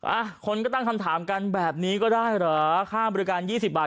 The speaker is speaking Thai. อ่ะคนก็ตั้งคำถามกันแบบนี้ก็ได้เหรอค่าบริการยี่สิบบาท